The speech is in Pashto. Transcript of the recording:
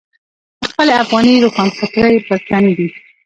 د خپلې افغاني روښانفکرۍ پر تندي.